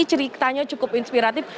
ceritanya cukup inspiratif